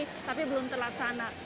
tapi belum terlaksana